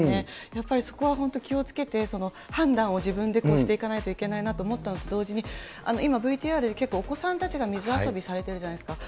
やっぱりそこは本当、気をつけて、その判断を自分でしていかないといけないなと思ったのと同時に今ＶＴＲで結構、お子さんたちが水遊びされてるじゃないですか。